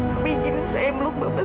tapi gini saya meluk berpesen pesen